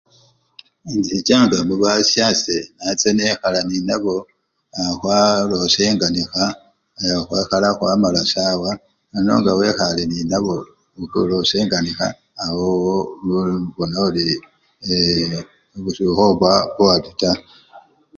inchichanga mubasyasye nacha nekhala ninabo, ee khwalosha enganikha ee khwekhala khwamala esawa, nono nga khwekhale ninabo mukhulosya enganikha, awowo obonoli eee sokhoba boadi taa